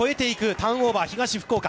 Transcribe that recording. ターンオーバー、東福岡。